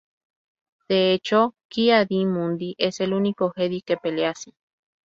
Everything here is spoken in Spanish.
De hecho, Ki-Adi-Mundi es el único jedi que pelea así.